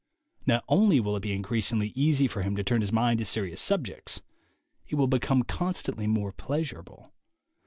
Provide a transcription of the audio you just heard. Not only will it be increas ingly easy for him to turn his mind to serious subjects. It will become constantly more pleasur able.